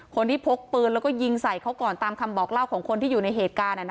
พกปืนแล้วก็ยิงใส่เขาก่อนตามคำบอกเล่าของคนที่อยู่ในเหตุการณ์